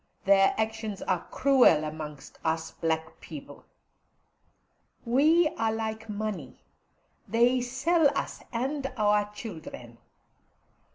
Their actions are cruel among us black people. We are like money; they sell us and our children.